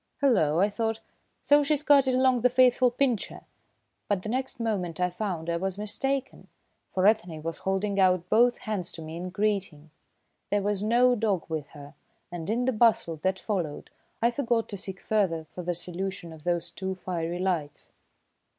"Hullo!" I thought. "So she's carted along the faithful Pincher!" But the next moment I found I was mistaken, for Ethne was holding out both hands to me in greeting. There was no dog with her, and in the bustle that followed, I forgot to seek further for the solution of those two fiery lights.